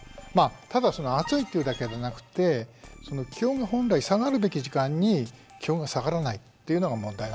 ただその暑いっていうだけでなくて気温が本来下がるべき時間に気温が下がらないっていうのが問題なんですね。